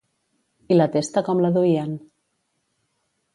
I la testa com la duien?